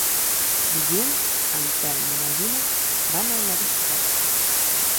Dilluns en Telm i na Gina van a Almedíxer.